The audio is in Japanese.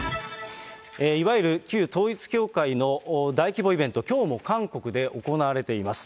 いわゆる旧統一教会の大規模イベント、きょうも韓国で行われています。